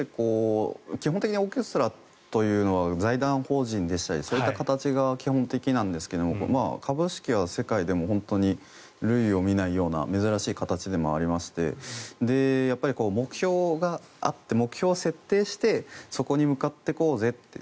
基本的にオーケストラというのは財団法人でしたりそういった形が基本的なんですけど株式は世界でも本当に類を見ないような珍しい形でもありまして目標があって、目標を設定してそこに向かっていこうぜって。